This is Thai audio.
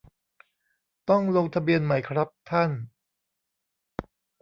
ต้องลงทะเบียนไหมครับท่าน